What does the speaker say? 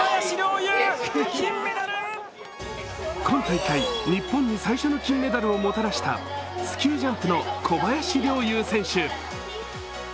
今大会、日本に最初の金メダルをもたらしたスキージャンプの小林陵侑選手。